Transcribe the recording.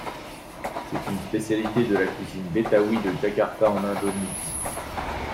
C'est une spécialité de la cuisine betawi de Jakarta, en Indonésie.